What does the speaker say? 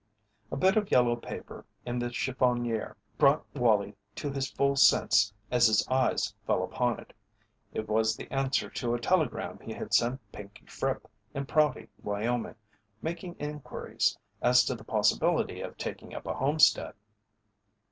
A bit of yellow paper on the chiffonier brought Wallie to his full sense as his eyes fell upon it. It was the answer to a telegram he had sent Pinkey Fripp, in Prouty, Wyoming, making inquiries as to the possibility of taking up a homestead.